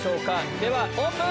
では、オープン。